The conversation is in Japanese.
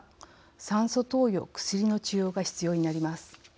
酸素投与・薬の治療が必要になります。